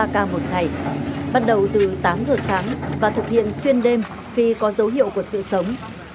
ba ca một ngày bắt đầu từ tám giờ sáng và thực hiện xuyên đêm khi có dấu hiệu của sự sống